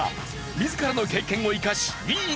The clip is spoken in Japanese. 自らの経験を生かし２位に。